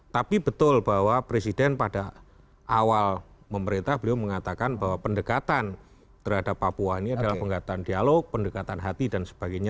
tapi betul bahwa presiden pada awal memerintah beliau mengatakan bahwa pendekatan terhadap papua ini adalah pendekatan dialog pendekatan hati dan sebagainya